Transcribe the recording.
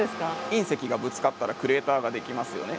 隕石がぶつかったらクレーターができますよね。